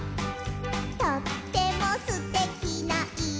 「とってもすてきないいひだね」